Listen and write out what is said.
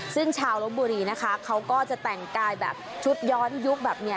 ซึ่งชาวลบบุรีนะคะเขาก็จะแต่งกายแบบชุดย้อนยุคแบบนี้